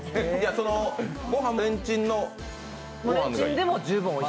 ご飯もレンチンのご飯でもいい？